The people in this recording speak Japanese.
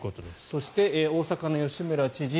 そして大阪の吉村知事